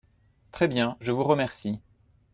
Très bien, je vous remercie.